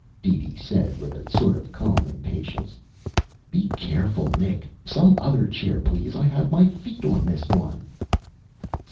DeeDee said with a sort of calm impatience. "Be careful, Nick. Some other chair, please. I have my feet on this one."